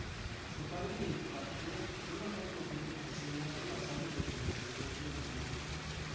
Su padre le impartió un amor profundo hacia el arte basado del Renacimiento italiano.